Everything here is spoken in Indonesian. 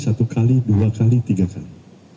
satu kali dua kali tiga kali